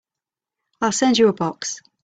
I'll send you a box.